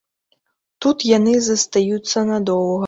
Тут яны застаюцца надоўга.